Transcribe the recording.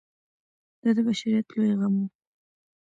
دا د بشریت لوی غم و.